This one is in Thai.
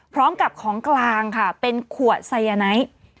พร้อมกับของกลางค่ะเป็นขวดไซยาไนท์